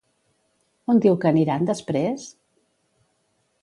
On diu que aniran després?